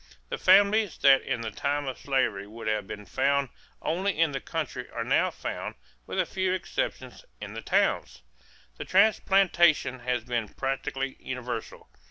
The families that in the time of slavery would have been found only in the country are now found, with a few exceptions, in the towns. The transplantation has been practically universal.